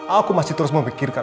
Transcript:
aku masih terus memikirkan